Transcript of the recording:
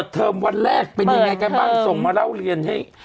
เทอมวันแรกเป็นยังไงกันบ้างส่งมาเล่าเรียนให้